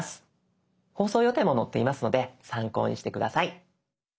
放送予定も載っていますので参考にして下さい。